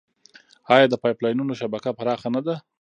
آیا د پایپ لاینونو شبکه پراخه نه ده؟